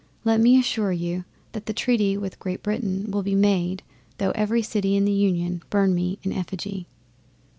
Let me assure you that the treaty with Great Britain will be made though every city in the Union burn me in effigy."